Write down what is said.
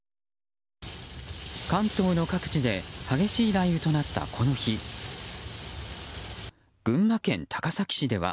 関東の各地で激しい雷雨となったこの日群馬県高崎市では。